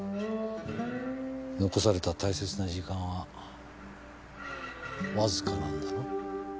残された大切な時間はわずかなんだろう？